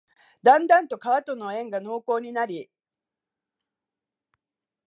だんだんと川との縁が濃厚になり、